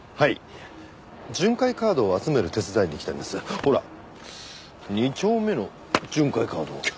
ほら２丁目の巡回カードを。